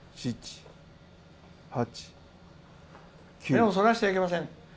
「目をそらしちゃいけません。